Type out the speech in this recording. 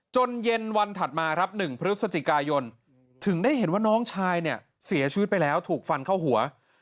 เย็นวันถัดมาครับ๑พฤศจิกายนถึงได้เห็นว่าน้องชายเนี่ยเสียชีวิตไปแล้วถูกฟันเข้าหัว